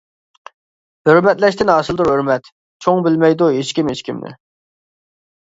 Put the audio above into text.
ھۆرمەتلەشتىن ھاسىلدۇر ھۆرمەت، چوڭ بىلمەيدۇ ھېچكىم ھېچكىمنى.